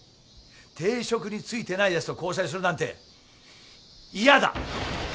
定職に就いてないやつと交際するなんて嫌だ！